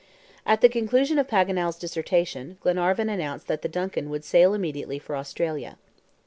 At the conclusion of Paganel's dissertation, Glenarvan announced that the DUNCAN would sail immediately for Australia.